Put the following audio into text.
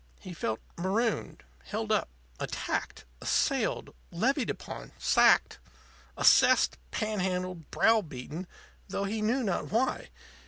He felt marooned, held up, attacked, assailed, levied upon, sacked, assessed, panhandled, browbeaten, though he knew not why.